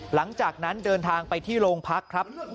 หลังจากนั้นเดินทางไปที่โรงพักครับ